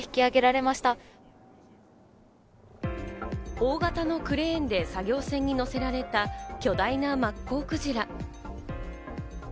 大型のクレーンで作業船に載せられた巨大なマッコウクジラ。